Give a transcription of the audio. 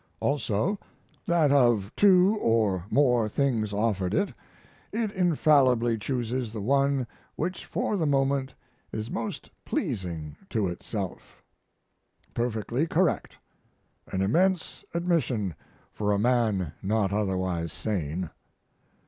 Also, that of two or more things offered it, it infallibly chooses the one which for the moment is most pleasing to ITSELF. Perfectly correct! An immense admission for a man not otherwise sane.